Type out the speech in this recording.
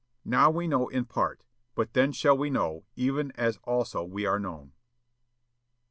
"Now we know in part; but then shall we know even as also we are known."